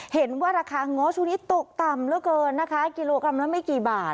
เห็นว่าราคาง้อช่วงนี้ตกต่ำเหลือเกินนะคะกิโลกรัมละไม่กี่บาท